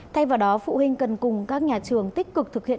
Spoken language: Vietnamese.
thay vào đó phụ huynh cần cùng các nhà trường tích cực thực hiện